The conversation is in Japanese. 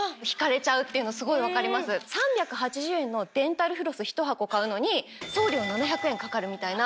３８０円のデンタルフロス１箱買うのに送料７００円かかるみたいな。